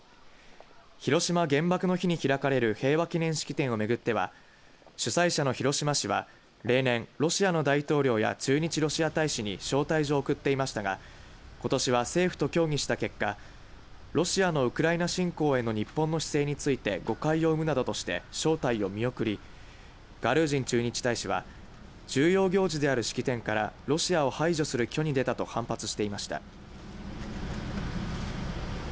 広島原爆の日に開かれる平和記念式典を巡っては主催者の広島市は例年、ロシアの大統領や駐日ロシア大使に招待状を送っていましたがことしは政府と協議した結果ロシアのウクライナ侵攻への日本の姿勢について誤解を生むなどとして招待を見送りガルージン駐日大使は重要行事である式典からロシアを排除する挙に出たと反発していました。